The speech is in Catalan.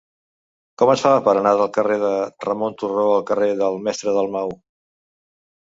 Com es fa per anar del carrer de Ramon Turró al carrer del Mestre Dalmau?